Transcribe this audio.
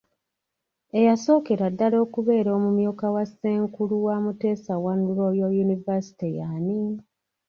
Eyasookera ddala okubeera omumyuka wa ssenkulu wa Muteesa I Royal University y’ani?